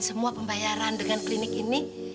semua pembayaran dengan klinik ini